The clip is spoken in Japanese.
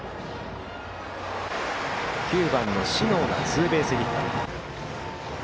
９番の小竹がツーベースヒット。